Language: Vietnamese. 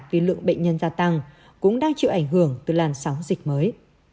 vì lượng bệnh nhân gia tăng cũng đang chịu ảnh hưởng từ làn sóng dịch mới